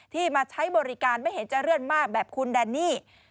มาใช้บริการไม่เห็นจะเลื่อนมากแบบคุณแดนนี่